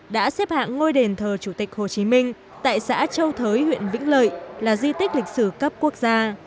đã xếp hạng ngôi đền thờ chủ tịch hồ chí minh tại xã châu thới huyện vĩnh lợi là di tích lịch sử cấp quốc gia